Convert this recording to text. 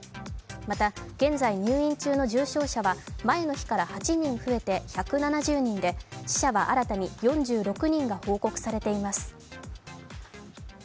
また、現在入院中の重症者は前の日から８人増えて１７０人で、死者は新たに４６人が報告されています。